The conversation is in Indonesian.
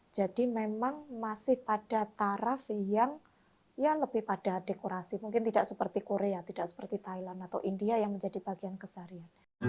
jadi memang masih pada taraf yang lebih pada dekorasi mungkin tidak seperti korea tidak seperti thailand atau india yang menjadi bagian kesarian